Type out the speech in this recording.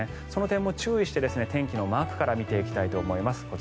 その点も注意して天気のマークから見ていきます。